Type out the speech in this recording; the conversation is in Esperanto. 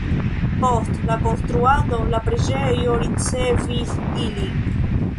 Post la konstruado la preĝejo ricevis ilin.